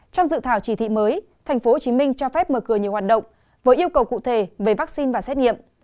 trong dự thảo chỉ thị mới tp hcm cho phép mở cửa nhiều hoạt động với yêu cầu cụ thể về vaccine và xét nghiệm